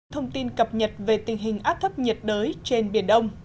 thông tin cập nhật về tình hình áp thấp nhiệt đới trên biển đông